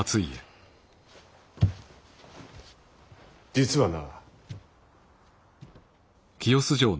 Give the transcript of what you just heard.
実はな。